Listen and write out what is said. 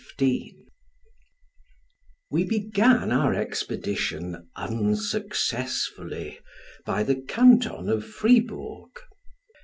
We began our expedition unsuccessfully by the canton of Fribourg.